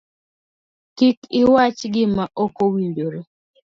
Kik iwach gima okowinjore